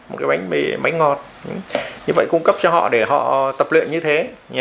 một cái bánh ngọt như vậy cung cấp cho họ để họ tập luyện như thế